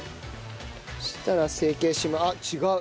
そしたら成形しまあっ違う！